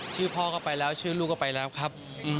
ชื่อพ่อก็ไปแล้วชื่อลูกก็ไปแล้วครับ